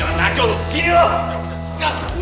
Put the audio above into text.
jangan naco lu kesini loh